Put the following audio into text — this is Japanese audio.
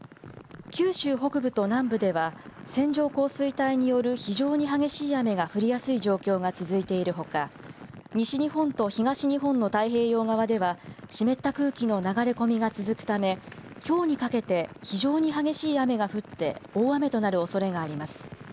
九州北部と南部では線状降水帯による非常に激しい雨が降りやすい状況が続いているほか西日本と東日本の太平洋側では湿った空気の流れ込みが続くためきょうにかけて非常に激しい雨が降って大雨となるおそれがあります。